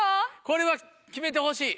これは決めてほしい。